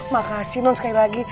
makasih non sekali lagi